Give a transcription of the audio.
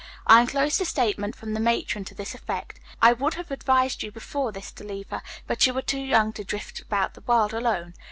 I enclose a statement from the matron to this effect. I would have advised you before this to leave her, but you are too young to drift about the world alone.